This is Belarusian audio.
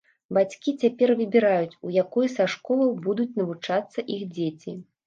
Бацькі цяпер выбіраюць, у якой са школаў будуць навучацца іх дзеці.